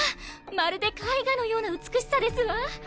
まるで絵画のような美しさですわ。